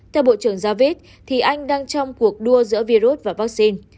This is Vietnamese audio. theo bộ trưởng javid thì anh đang trong cuộc đua giữa virus và vaccine